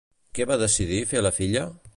Què va decidir fer la filla?